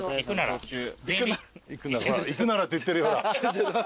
「行くなら」って言ってるほら。